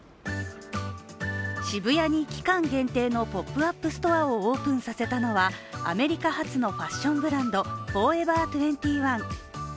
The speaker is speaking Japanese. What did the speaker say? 渋谷に期間限定のポップアップストアをオープンさせたのは、アメリカ発のファッションブランドＦＯＲＥＶＥＲ２１。